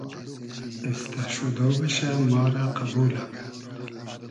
اېستۂ شودۉ بئشۂ ما رۂ قئبولۂ